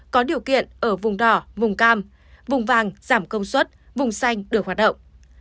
có điều kiện ở vùng đỏ vùng cam vùng vàng giảm công suất vùng xanh được hoạt động